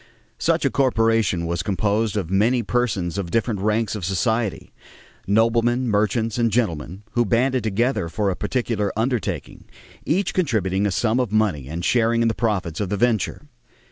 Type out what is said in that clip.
Such a corporation was composed of many persons of different ranks of society noblemen, merchants, and gentlemen who banded together for a particular undertaking, each contributing a sum of money and sharing in the profits of the venture.